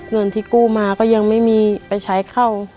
เงินที่กู้มาก็ยังไม่มีไปใช้เข้า